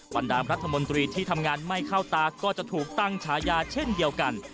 ดามรัฐมนตรีที่ทำงานไม่เข้าตาก็จะถูกตั้งฉายาเช่นเดียวกัน